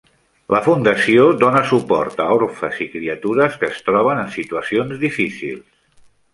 La fundació dona suport a orfes i criatures que es troben en situacions difícils.